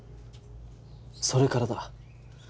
それからだ。